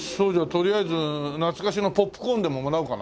とりあえず懐かしのポップコーンでももらおうかな。